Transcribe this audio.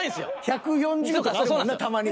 １４０とかあるもんなたまに。